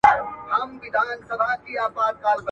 ايا د ښځي نظر منل په شریعت کي ثابت دي؟